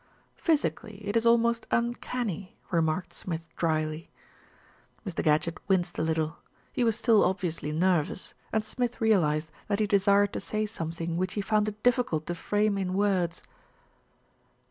"Physically, it is almost uncanny," remarked Smith drily. Mr. Gadgett winced a little. He was still obviously nervous, and Smith realised that he desired to say something which he found it difficult to frame in words.